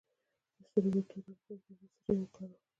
د سترګو د تورې حلقې لپاره باید څه شی وکاروم؟